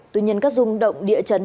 tuy nhiên các dung động địa chấn